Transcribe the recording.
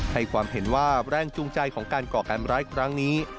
ให้ความเห็นว่าแรงจูงใจของการก่อการร้ายครั้งนี้